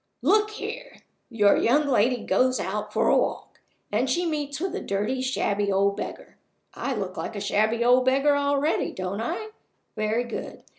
Look here! Your young lady goes out for a walk, and she meets with a dirty, shabby old beggar I look like a shabby old beggar already, don't I? Very good.